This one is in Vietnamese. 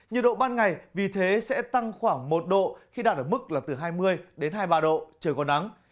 nhiệt độ ban ngày vì thế sẽ tăng khoảng một độ khi đạt ở mức là từ hai mươi đến hai mươi ba độ trời còn nắng